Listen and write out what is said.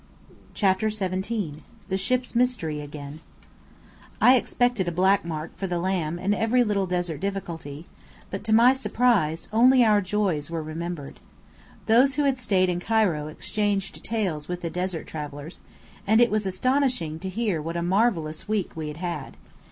CHAPTER XVII THE SHIP'S MYSTERY AGAIN I expected a black mark for the lamb and every little desert difficulty, but, to my surprise, only our joys were remembered. Those who had stayed in Cairo exchanged tales with the desert travellers, and it was astonishing to hear what a marvellous week we had had.